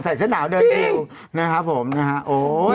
ใสชะหนาวเดินหนึ่งนะครับใสเจนจริง